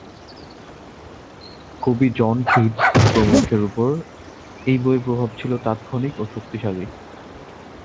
কবি John Keats প্রমুখের উপর এই বইয়ের প্রভাব ছিল তাৎক্ষণিক ও শক্তিশালী।